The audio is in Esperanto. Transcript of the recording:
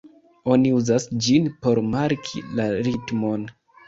Oni uzas ĝin por marki la ritmon.